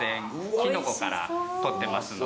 キノコから取ってますので。